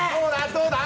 どうだ？